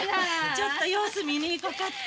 ちょっと様子見に行こかって。